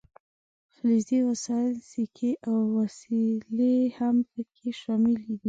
فلزي وسایل سیکې او وسلې هم پکې شاملې دي.